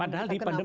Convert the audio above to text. padahal di pandemi